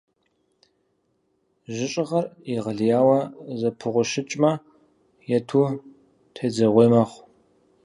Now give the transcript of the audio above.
Жьыщӏыгъэр егъэлеяуэ зэпыгъущыкӏмэ, ету тедзэгъуей мэхъу.